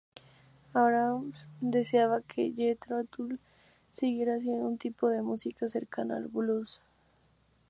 Abrahams deseaba que Jethro Tull siguiera haciendo un tipo de música cercana al "blues".